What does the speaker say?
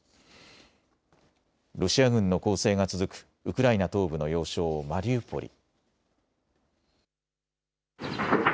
ロシア軍の攻勢が続くウクライナ東部の要衝マリウポリ。